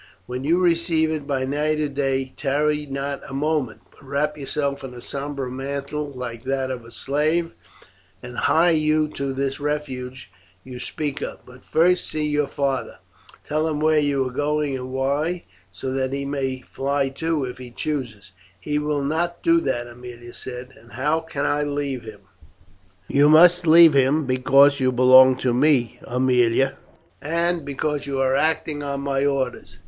When you receive it, by night or day, tarry not a moment, but wrap yourself in a sombre mantle like that of a slave, and hie you to this refuge you speak of; but first see your father, tell him where you are going and why, so that he may fly too, if he choose." "He will not do that," Aemilia said, "and how can I leave him?" "You must leave him because you belong to me, Aemilia, and because you are acting on my orders.